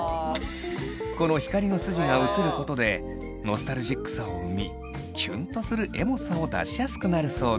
この光の筋が写ることでノスタルジックさを生みキュンとするエモさを出しやすくなるそうです。